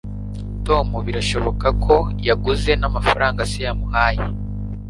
tom birashoboka ko yaguze namafaranga se yamuhaye